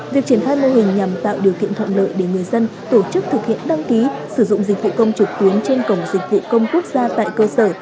việc triển khai mô hình nhằm tạo điều kiện thuận lợi để người dân tổ chức thực hiện đăng ký sử dụng dịch vụ công trực tuyến trên cổng dịch vụ công quốc gia tại cơ sở